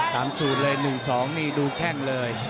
ตามสูตรเลย๑๒นี่ดูแค่งเลย